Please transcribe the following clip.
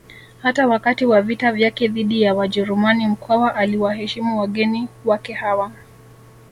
Hata wakati wa vita vyake dhidi ya Wajerumani Mkwawa aliwaheshimu wageni wake hawa